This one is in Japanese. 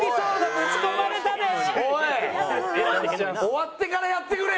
終わってからやってくれや！